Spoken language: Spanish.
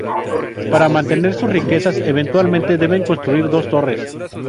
Para mantener sus riquezas, eventualmente deben construir dos torres.